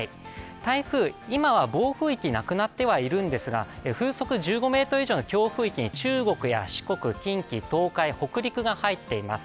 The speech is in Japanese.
台風、今は暴風域なくなってはいるんですが、風速１５ｍ以上の強風域に、四国、四国、近畿、東海、北陸が入っています。